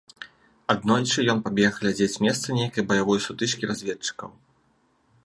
Аднойчы ён пабег глядзець месца нейкай баявой сутычкі разведчыкаў.